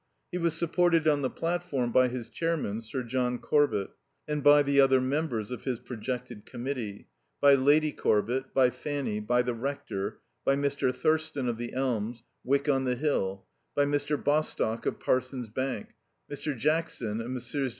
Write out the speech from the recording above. He was supported on the platform by his Chairman, Sir John Corbett, and by the other members of his projected Committee: by Lady Corbett, by Fanny, by the Rector, by Mr. Thurston of the Elms, Wyck on the Hill; by Mr. Bostock of Parson's Bank; Mr. Jackson, of Messrs.